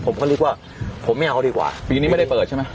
ผมก็นึกว่าผมไม่เอาดีกว่าปีนี้ไม่ได้เปิดใช่ไหม